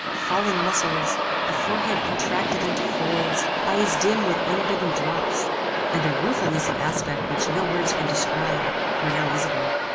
Fallen muscles, a forehead contracted into folds, eyes dim with unbidden drops, and a ruefulness of aspect which no words can describe, were now visible.